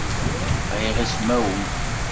Bɣiɣ ismawen.